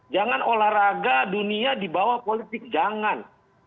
jangan olahraga dunia dibawa politik jangan